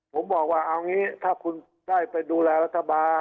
ผมบอกว่าเอางี้ถ้าคุณได้ไปดูแลรัฐบาล